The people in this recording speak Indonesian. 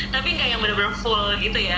tapi kayak yang bener bener full gitu ya